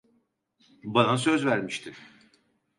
Bana söz vermiştin!